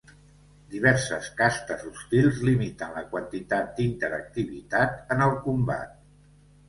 Diverses castes hostils limiten la quantitat d'interactivitat en el combat.